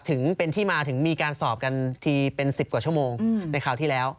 ถึงเป็นที่มาถึงมีการสอบกันทีเป็น๑๐กว่าชั่วโมงในคราวที่แล้ว